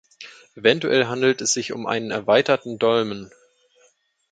Eventuell handelt es sich um einen erweiterten Dolmen.